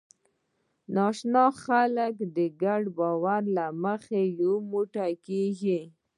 ناآشنا خلک د ګډ باور له مخې یو موټی کېږي.